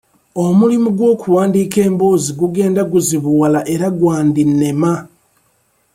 Omulimu gw'okuwandiika emboozi gugenda guzibuwala era gwandinnema.